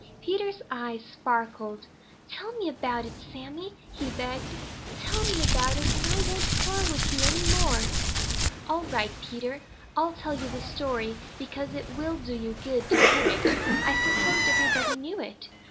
Peter's eyes sparkled. "Tell me about it, Sammy," he begged. "Tell me about it, and I won't quarrel with you any more." "All right, Peter. I'll tell you the story, because it will do you good to hear it. I supposed everybody knew it.